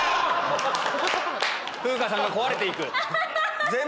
風花さんが壊れていく。